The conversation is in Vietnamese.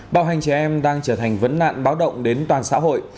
bạo hành trẻ em đang trở thành vấn nạn báo động đến toàn xã hội